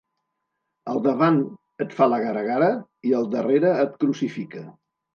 Al davant et fa la gara-gara i al darrere et crucifica.